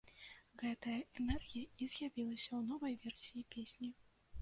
Гэтая энергія і з'явілася ў новай версіі песні.